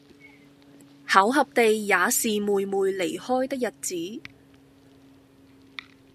巧合地也是妹妹離開的日子，